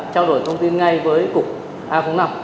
trao đổi thông tin ngay với cục a bốn năm